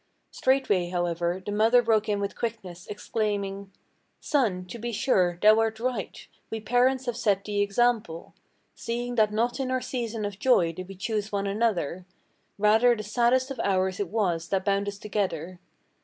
Straightway, however, the mother broke in with quickness, exclaiming: "Son, to be sure, thou art right! we parents have set the example; Seeing that not in our season of joy did we choose one another; Rather the saddest of hours it was that bound us together.